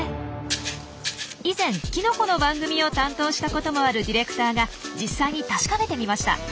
以前きのこの番組を担当したこともあるディレクターが実際に確かめてみました。